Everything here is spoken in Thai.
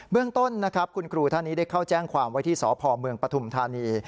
เบื้องต้นคุณครูท่านนี้ได้เข้าแจ้งความไว้ที่สภมปฐุมธานี